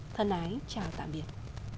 thân ái chào tạm biệt